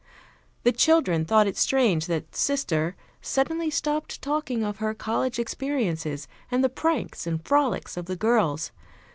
The children thought it strange that "Sister," suddenly stopped talking of her college experiences and the pranks and frolics of the girls.